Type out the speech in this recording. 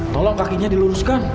tolong kakinya diluruskan